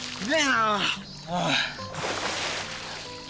ああ。